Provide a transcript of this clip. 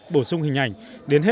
bổ sung hình ảnh